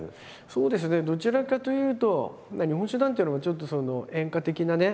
そうですねどちらかというと日本酒なんていうのもちょっと演歌的なね